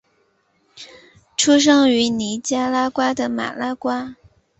出生于尼加拉瓜的马拿瓜。